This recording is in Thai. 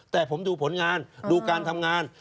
แต่ผมดูผลงานดูการทำงาน